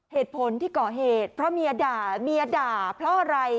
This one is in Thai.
เหตุผลที่ก่อเหตุเพราะเมียด่าเมียด่าเพราะอะไร